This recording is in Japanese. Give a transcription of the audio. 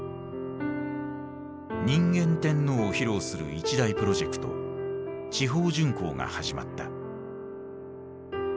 「人間天皇」を披露する一大プロジェクト地方巡幸が始まった。